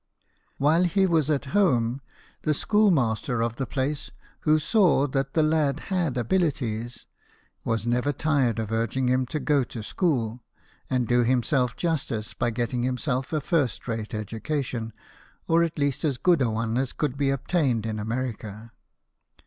While he was at home, the schoolmaster of the place, who saw that the lad had abilities, was never tired of urging him to go to school, and do himself justice by getting himself a first rate education, or at least as good a one as could be obtained in America.